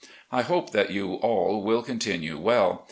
I hope that you all will continue well.